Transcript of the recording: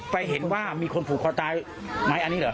ไปเห็นว่ามีคนผูกคอตายไหมอันนี้เหรอ